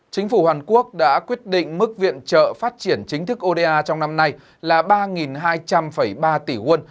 chính phủ hàn quốc đã quyết định mức viện trợ phát triển chính thức oda trong năm nay là ba hai trăm linh ba tỷ won